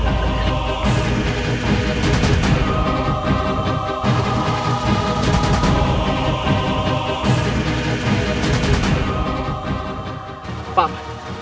tidak ada yang bisa mengalahkanmu